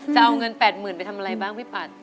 จะเอาเงิน๘๐๐๐ไปทำอะไรบ้างพี่ปัด